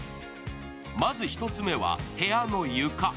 まず１つ目は部屋の床。